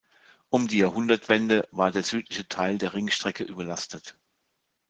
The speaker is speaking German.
Um die Jahrhundertwende war der südliche Teil der Ringstrecke überlastet.